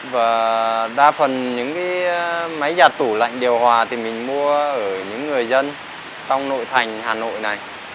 và đa phần những cái máy nhà tủ lạnh điều hòa thì mình mua ở những người dân trong nội thành hà nội này